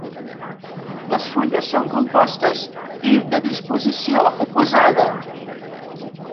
Les fulles són compostes i de disposició oposada.